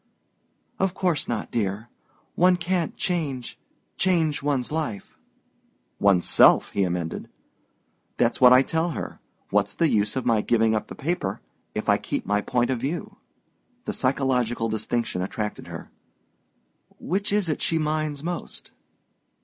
"Of course not, dear. One can't change change one's life...." "One's self," he emended. "That's what I tell her. What's the use of my giving up the paper if I keep my point of view?" The psychological distinction attracted her. "Which is it she minds most?"